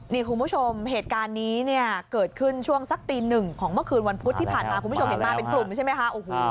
นี่คุณผู้ชมเหตุการณ์นี้เนี่ยเกิดขึ้นช่วงสักตีหนึ่งของเมื่อคืนวันพุธที่ผ่านมาคุณผู้ชมเห็นมาเป็นกลุ่มใช่ไหมคะ